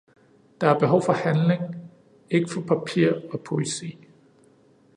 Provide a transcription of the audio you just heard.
Der er behov for handling, ikke for papir og poesi.